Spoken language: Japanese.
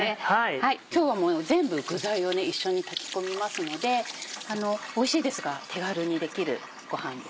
今日は全部具材を一緒に炊き込みますのでおいしいですが手軽にできるごはんですよ。